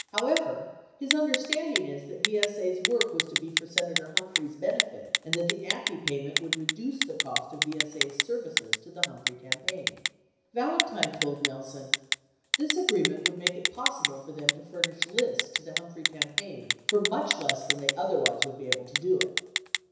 However, his understanding is that VS A's work was to be for Senator Humphrey's benefit and that the AMPI pay ments would reduce the cost of VSA's services to the Humphrey campaign. Valentine told Nelson, "... this (agreement) would make it possible for them to furnish lists to the Humphrey campaign for much less than they otherwise would be able to do it."